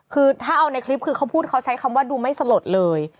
คือถ้าเอาในคลิปคือเขาพูดเขาใช้คำว่าดูไม่สลดเลย